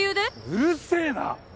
うるせぇな！